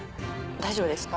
大丈夫ですか？